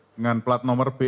dengan plat nomor